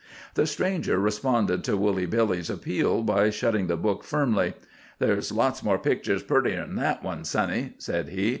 The stranger responded to Woolly Billy's appeal by shutting the book firmly. "There's lots more pictures purtier than that one, sonny," said he.